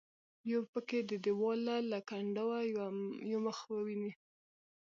یو پکې د دیواله له کنډوه یو مخ وویني.